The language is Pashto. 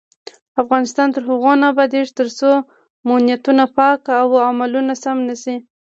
افغانستان تر هغو نه ابادیږي، ترڅو مو نیتونه پاک او عملونه سم نشي.